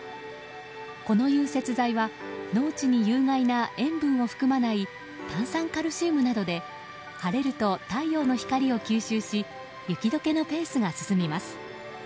この融雪剤は農地に有害な塩分を含まない炭酸カルシウムなどで晴れると太陽の光を吸収し雪解けのペースが進みます。